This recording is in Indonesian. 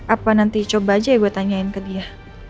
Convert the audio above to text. apa nanti coba aja ya gue tanyain ke dia